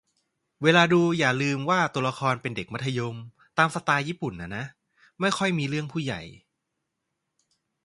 เวลาดูต้องอย่าลืมว่าตัวละครเป็นเด็กมัธยม ตามสไตล์ญี่ปุ่นอะนะ ไม่ค่อยมีเรื่องผู้ใหญ่